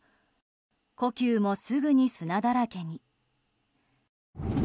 故宮もすぐに砂だらけに。